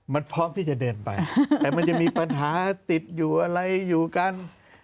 มันพร้อมที่จะเดินไปแต่มันจะมีปัญหาติดอยู่อะไรอยู่กัน